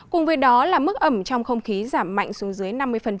cùng với đó là mức ẩm trong không khí giảm mạnh xuống dưới năm mươi